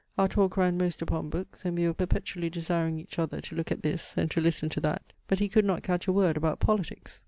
Our talk ran most upon books, and we were perpetually desiring each other to look at this, and to listen to that; but he could not catch a word about politics.